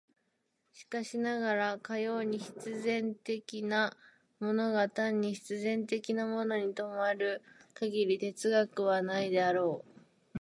しかしながら、かように必然的なものが単に必然的なものに止まる限り哲学はないであろう。